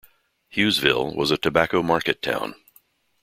Hughesville was a tobacco market town.